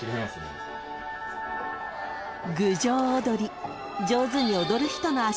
［郡上おどり上手に踊る人の］